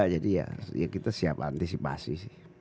jadi ya kita siap antisipasi sih